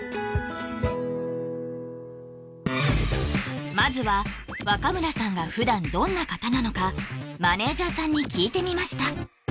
いつまずは若村さんが普段どんな方なのかマネージャーさんに聞いてみました